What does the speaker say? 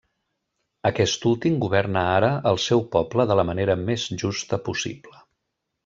Aquest últim governa ara el seu poble de la manera més justa possible.